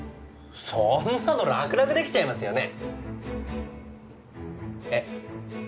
そんなの楽々できちゃいますよねえっ？